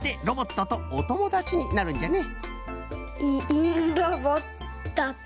いいんロボット。